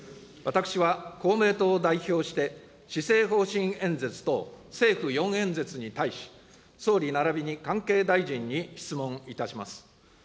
私は、公明党を代表して、施政方針演説等政府４演説に対し、総理ならびに関係大臣に質問いたします。